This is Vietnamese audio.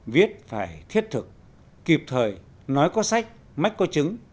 viết phải thiết thực kịp thời nói có sách mách có trứng